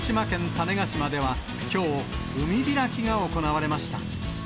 種子島ではきょう、海開きが行われました。